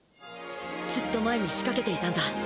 ずっと前に仕かけていたんだ。